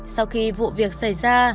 sau khi vụ việc xảy ra